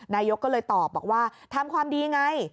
นายกก็เลยตอบบอกว่าทำความดีไง